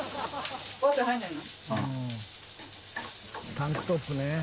タンクトップね。